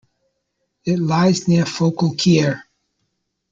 It lies near Forcalquier.